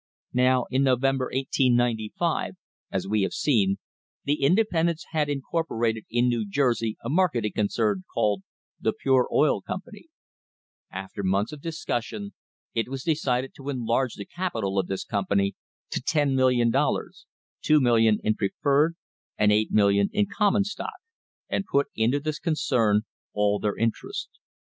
Now, in November, 1895, as we have seen, the independents had in corporated in New Jersey a marketing concern called the Pure Oil Company. After months of discussion it was de cided to enlarge the capital of this company to $10,000,000, $2,000,000 in preferred and $8,000,000 in common stock, and put into this concern all their interests.